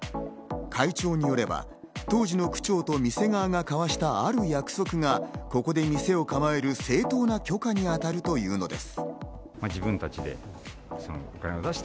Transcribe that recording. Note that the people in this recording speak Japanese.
会長によれば、当時の区長と店側が交わしたある約束が、ここで店を構える正当な許可に当たるというのです。